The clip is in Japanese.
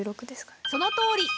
そのとおり！